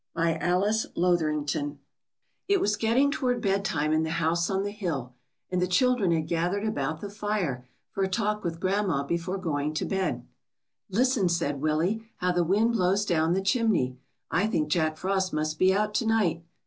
BY ALICE LOTHERINGTON. It was getting toward bedtime in the house on the hill, and the children had gathered about the fire, for a talk with grandma before going to bed. '^Listen," said Willie, ^^how the wind blows down the chimney. I think Jack Frost must be out to night."